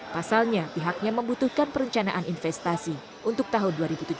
pasalnya pihaknya membutuhkan perencanaan investasi untuk tahun dua ribu tujuh belas